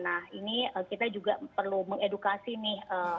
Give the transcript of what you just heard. nah ini kita juga perlu mengedukasi nih